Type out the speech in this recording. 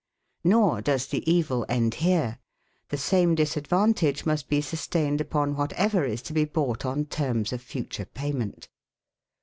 Nor does the evil end here; the same disadvantage must be sustained upon whatever is to be bought on terms of future payment.